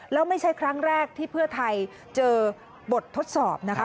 แล้วไม่ใช่ครั้งแรกที่เพื่อไทยเจอบททดสอบนะคะ